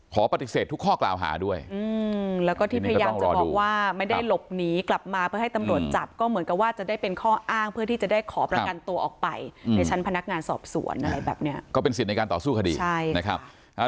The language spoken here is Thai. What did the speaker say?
ขอปฏิเสธทุกข้อกล่าวหาด้วยแล้วก็ที่พยายามจะบอกว่าไม่ได้หลบหนีกลับมาเพื่อให้ตำรวจจับก็เหมือนกับว่าจะได้เป็นข้ออ้างเพื่อที่จะได้ขอประกันตัวออกไปในชั้นพนักงานสอบสวนอะไรแบบเนี้ยก็เป็นสิทธิ์ในการต่อสู้คดีใช่นะครับ